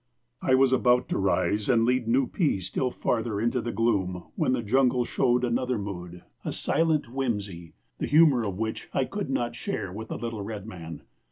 I was about to rise and lead Nupee still farther into the gloom when the jungle showed another mood a silent whimsy, the humor of which I could not share with the little red man.